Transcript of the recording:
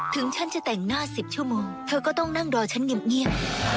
ถึงฉันจะแต่งหน้า๑๐ชั่วโมงเธอก็ต้องนั่งรอฉันเงียบ